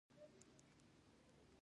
خو په دې کیسه کې هغه وخت بدلون راغی.